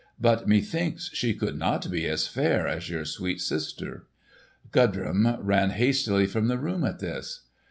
But methinks she could not be as fair as your sweet sister." Gudrun ran hastily from the room at this.